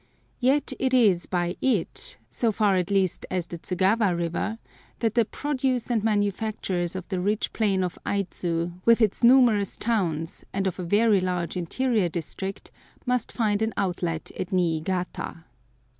Yet it is by it, so far at least as the Tsugawa river, that the produce and manufactures of the rich plain of Aidzu, with its numerous towns, and of a very large interior district, must find an outlet at Niigata.